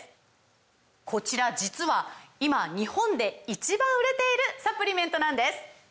こちら実は今日本で１番売れているサプリメントなんです！